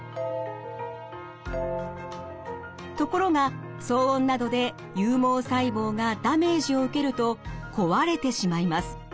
ところが騒音などで有毛細胞がダメージを受けると壊れてしまいます。